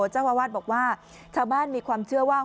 เจ้าอาวาสบอกว่าชาวบ้านมีความเชื่อว่า